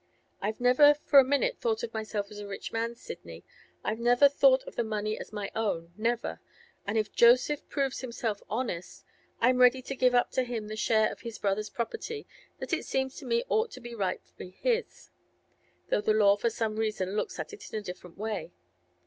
I've never for a minute thought of myself as a rich man, Sidney; I've never thought of the money as my own, never; and if Joseph proves himself honest, I'm ready to give up to him the share of his brother's property that it seems to me ought to be rightly his, though the law for some reason looks at it in a different way.